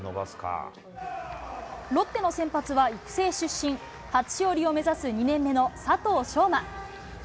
ロッテの先発は育成出身、初勝利を目指す２年目の佐藤奨真。